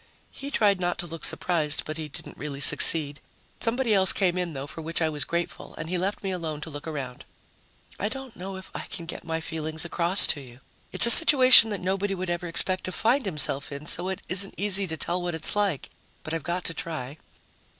He tried not to look surprised, but he didn't really succeed. Somebody else came in, though, for which I was grateful, and he left me alone to look around. I don't know if I can get my feelings across to you. It's a situation that nobody would ever expect to find himself in, so it isn't easy to tell what it's like. But I've got to try.